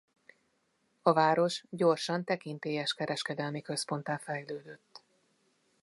A város gyorsan tekintélyes kereskedelmi központtá fejlődött.